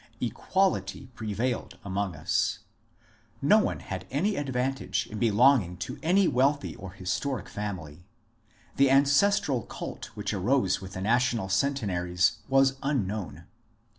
Equality prevailed among us. No one had any advantage in belonging to any wealthy or historic family. The ancestral cult which arose with the national centenaries was unknown.